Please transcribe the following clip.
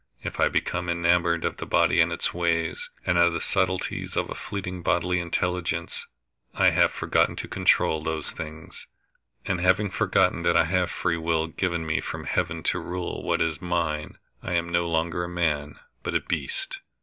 If I become enamored of the body and its ways, and of the subtleties of a fleeting bodily intelligence, I have forgotten to control those things; and having forgotten that I have free will given me from heaven to rule what is mine, I am no longer a man, but a beast.